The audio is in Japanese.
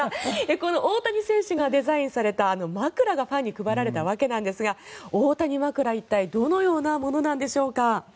この大谷選手がデザインされた枕がファンに配られたわけなんですが大谷枕、一体どのようなものなんでしょうか。